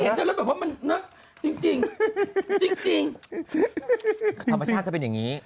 ธรรมชาติจะเป็นอย่างนี้